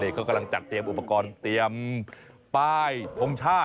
เขากำลังจัดเตรียมอุปกรณ์เตรียมป้ายทงชาติ